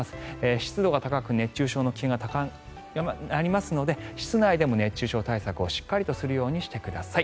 湿度が高く熱中症の危険が高くなりますので室内でも熱中症対策をしっかりとするようにしてください。